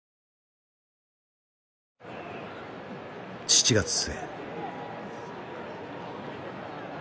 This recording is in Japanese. ７月末。